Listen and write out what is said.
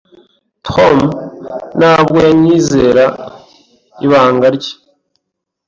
Tom ntabwo yanyizera ibanga rye.